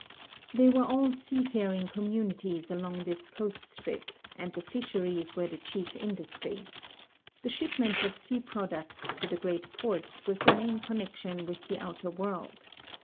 They were all seafaring communities along this coast strip and the fisheries were the chief industry. J'he shipment of sea j)roducts to the great ports was the main connection with the outer world.